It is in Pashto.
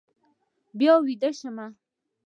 بیا به ویده شم.